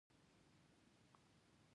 هماغه زمزمه په نر میوزیک ښایسته ګرځي.